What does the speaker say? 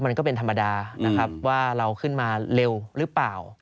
มันก็เป็นธรรมดานะครับว่าเราขึ้นมาเร็วหรือเปล่า